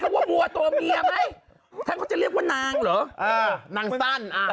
ชั่วเนียไหมเราก็จะเรียกว่านังเหรอนังสั่ง